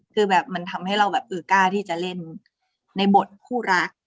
คือแบบมันทำให้เราแบบเออกล้าที่จะเล่นในบทคู่รัก